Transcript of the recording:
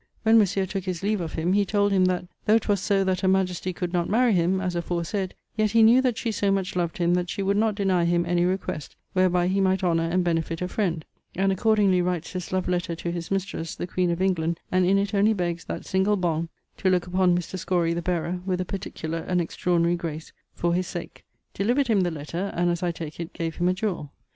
When Monsieur tooke his leave of him he told him that though 'twas so that her majestie could not marie him (as aforesayd), yet he knew that she so much loved him that she would not deny him any request, wherby he might honour and benefit a friend; and accordingly writes his love letter to his mistresse, the queen of England, and in it only begges that single bôn, to looke upon Mr. Scorie (the bearer) with a particular and extraordinary grace, for his sake; delivered him the letter (and as I take it, gave him a jewell).